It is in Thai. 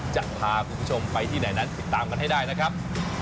จะพาคุณผู้ชมไปที่ไหนนั้นติดตามกันให้ได้นะครับ